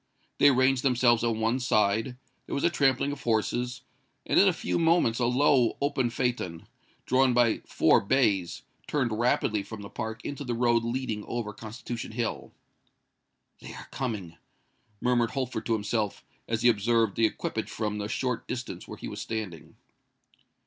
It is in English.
They ranged themselves on one side:—there was a trampling of horses; and in a few moments a low open phaeton, drawn by four bays, turned rapidly from the park into the road leading over Constitution Hill. "They are coming!" murmured Holford to himself, as he observed the equipage from the short distance where he was standing.